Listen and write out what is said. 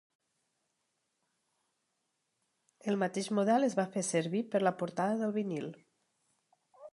El mateix model es va fer servir per la portada del vinil.